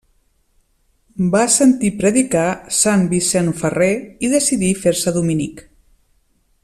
Va sentir predicar Sant Vicent Ferrer i decidí fer-se dominic.